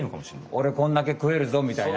おれこんだけくえるぞ！みたいな？